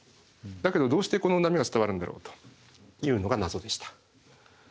だけどどうしてこの波が伝わるんだろうというのが謎でした。